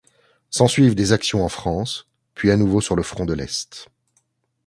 S'ensuivent des actions en France, puis à nouveau sur le front de l'Est.